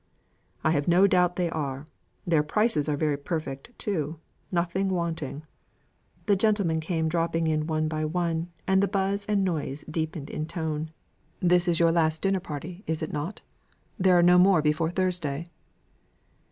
"I have no doubt they are. Their prices are very perfect, too. Nothing wanting." The gentlemen came dropping in one by one, and the buzz and noise deepened in tone. "This is your last dinner party, is it not? There are no more before Thursday?"